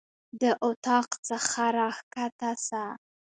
د اطاق څخه راکښته سه.